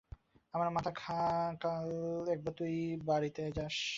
আমার মাথা খা, কাল একবার তুই তাহার বাড়িতে যাস।